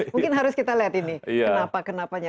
mungkin harus kita lihat ini kenapa kenapanya